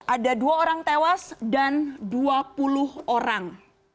ada dua orang tewas dan dua puluh orang